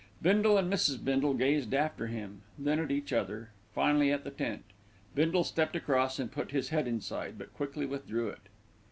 Bindle and Mrs. Bindle gazed after him, then at each other, finally at the tent. Bindle stepped across and put his head inside; but quickly withdrew it.